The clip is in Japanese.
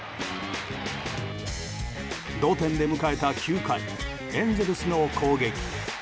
同点で迎えた９回エンゼルスの攻撃。